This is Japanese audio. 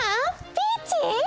ピーチー！